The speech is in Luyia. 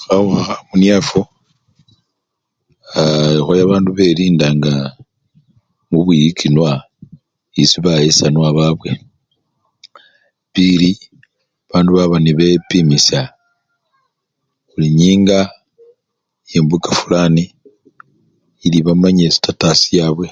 Khawukha khamuniafu, Aa khakhoya bandu belinda nga bubwiyikinwa esi bayesanwa babwe, pili bandu baba nebepimisya buli nyinga yembuka fulani ili bamanya sitatasi chabwe